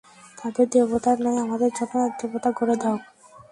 তাদের দেবতার ন্যায় আমাদের জন্যেও এক দেবতা গড়ে দাও।